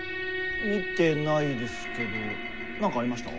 見てないですけど何かありました？